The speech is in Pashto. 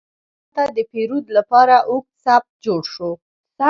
هلته د پیرود لپاره اوږد صف جوړ شو.